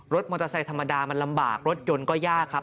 มอเตอร์ไซค์ธรรมดามันลำบากรถยนต์ก็ยากครับ